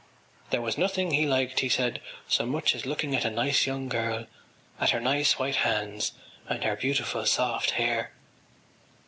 There was nothing he liked, he said, so much as looking at a nice young girl, at her nice white hands and her beautiful soft hair.